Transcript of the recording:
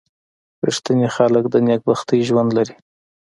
• رښتیني خلک د نېکبختۍ ژوند لري.